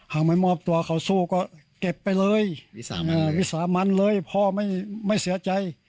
หากไม่มอบตัวเขาสู้ก็เก็บไปเลยวิสามันเลยพ่อไม่เสียใจ